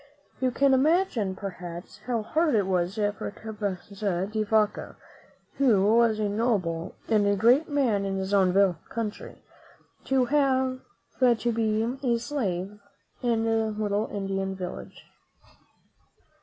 You can imagine, perhaps, how hard it was for Cabeza de Vaca, who was a noble and a great man in his own country, to have to be a slave in a little Indian village.